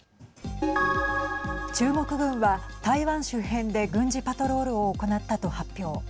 中国軍は、台湾周辺で軍事パトロールを行ったと発表。